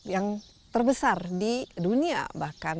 yang terbesar di dunia bahkan